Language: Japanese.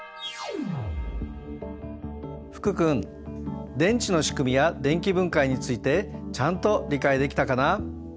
福君電池のしくみや電気分解についてちゃんと理解できたかな？